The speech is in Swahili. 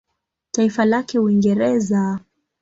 Taifa lake Uingereza.